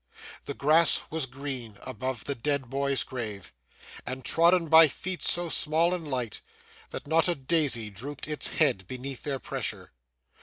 The grass was green above the dead boy's grave, and trodden by feet so small and light, that not a daisy drooped its head beneath their pressure.